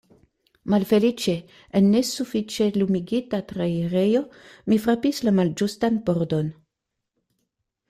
Malfeliĉe en nesufiĉe lumigita trairejo mi frapis la malĝustan pordon.